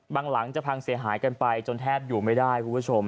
บางหลังจะพังเสียหายกันไปจนแทบอยู่ไม่ได้